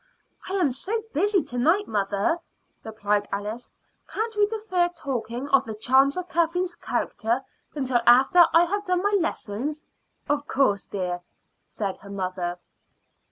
"I am so busy to night, mother," replied Alice. "Can't we defer talking of the charms of Kathleen's character until after I have done my lessons?" "Of course, dear," said her mother.